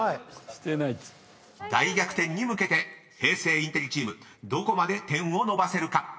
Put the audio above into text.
［大逆転に向けて平成インテリチームどこまで点を伸ばせるか？］